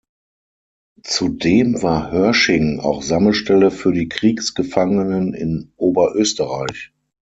Zudem war Hörsching auch Sammelstelle für die Kriegsgefangenen in Oberösterreich.